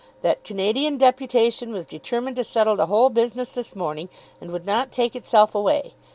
That Canadian Deputation was determined to settle the whole business this morning, and would not take itself away.